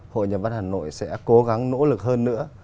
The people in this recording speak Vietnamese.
hội nhà văn hà nội sẽ cố gắng nỗ lực hơn nữa